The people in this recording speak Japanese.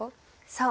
そう。